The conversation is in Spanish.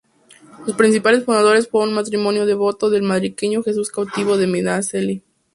Los principales fundadores fueron un matrimonio devoto del madrileño Jesús Cautivo de Medinaceli.